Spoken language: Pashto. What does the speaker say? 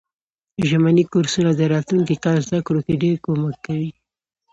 ژمني کورسونه د راتلونکي کال زده کړو کی ډیر کومک کوي.